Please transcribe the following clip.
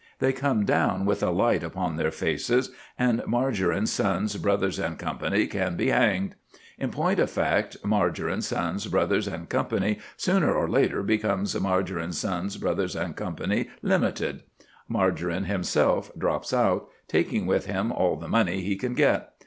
They come down with a light upon their faces, and Margarine, Sons, Bros. & Co. can be hanged. In point of fact, Margarine, Sons, Bros. & Co. sooner or later becomes Margarine, Sons, Bros. & Co., Limited. Margarine himself drops out, taking with him all the money he can get.